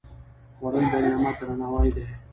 خوړل د نعمت درناوی دی